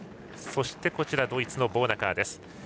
そしてドイツのボーナカー。